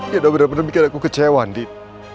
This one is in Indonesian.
ya udah bener bener mikir aku kecewa dit